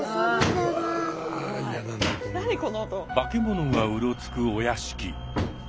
化け物がうろつくお屋敷。